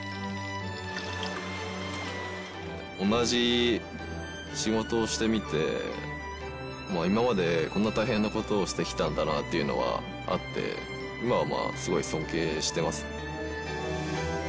同じ仕事をしてみて今までこんな大変な事をしてきたんだなっていうのはあって今はすごい尊敬してます。